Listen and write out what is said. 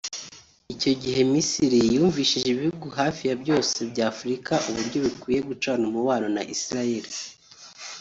Icyo gihe Misiri yumvishije ibihugu hafi ya byose bya Afurika uburyo bikwiye gucana umubano na Israel